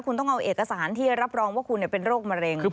คุณต้องเอาเอกสารที่รับรองว่าคุณเป็นโรคมะเร็ง